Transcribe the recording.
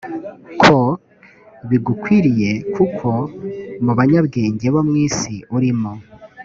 ko bigukwiriye kuko mu banyabwenge bo mu isi urimo